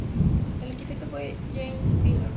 El arquitecto fue James Spiller.